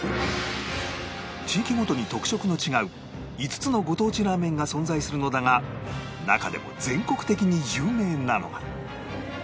地域ごとに特色の違う５つのご当地ラーメンが存在するのだが中でも全国的に有名なのが